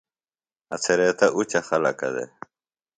اڅھریتہ اُچہ خلَکہ دےۡ